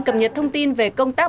cập nhật thông tin về công tác